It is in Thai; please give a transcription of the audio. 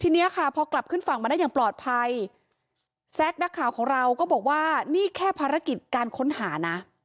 นี่แค่ภารกิจการค้นหานะ